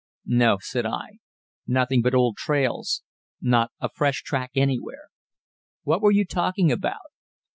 "No," said I; "nothing but old trails; not a fresh track anywhere. What were you talking about?"